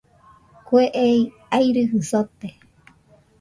Kue ei airɨjɨ sote.